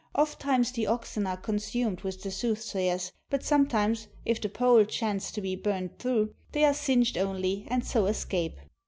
Ofttimes the oxen are consumed with the soothsayers, but sometimes, if the pole chance to be burnt through, they are singed only, and so escape.